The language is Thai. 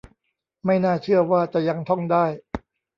ไม่น่าเชื่อว่าจะยังท่องได้